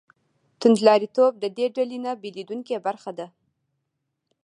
توندلاریتوب د دې ډلې نه بېلېدونکې برخه ده.